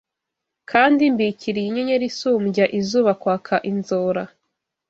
Kandi mbikiriye inyenyeri Isumbya izuba kwaka inzora